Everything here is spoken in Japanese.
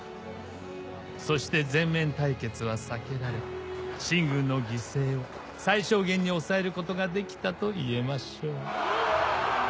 そして全面対決は避けられ秦軍の犠牲を最小限に抑えることができたと言えましょう。